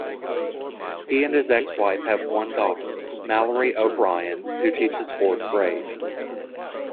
He and his ex-wife have one daughter, Mallory O'Brien, who teaches fourth grade.